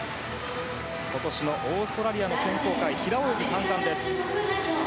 今年のオーストラリアの選考会平泳ぎ３冠です。